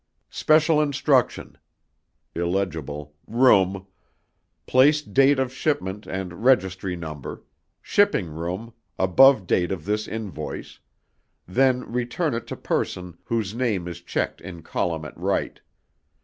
SPECIAL INSTRUCTION [illegible] Room, place date of shipment and registry number; Shipping Room, above date of this invoice; then return it to person whose name is checked in column at right.